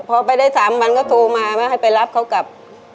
พอไปได้๓วันก็โทรมาว่าให้ไปรับเขากลับ